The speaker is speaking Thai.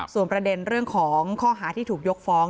ส่วนประเด็นเรื่องของข้อหาที่ถูกยกฟ้อง